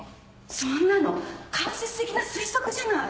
そんなの間接的な推測じゃない。